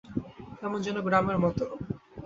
কেমন যেন গ্রামের মতো।